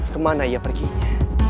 kemana ia perginya